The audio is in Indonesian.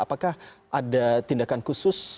apakah ada tindakan khusus